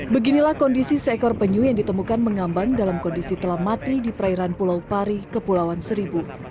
beginilah kondisi seekor penyu yang ditemukan mengambang dalam kondisi telah mati di perairan pulau pari kepulauan seribu